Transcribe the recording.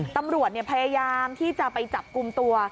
ตำรวจพยายามที่จะไปจับกลุ่มตัว